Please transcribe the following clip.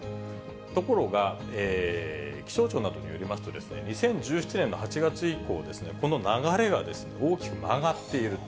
ところが、気象庁などによりますと、２０１７年の８月以降、この流れが大きく曲がっていると。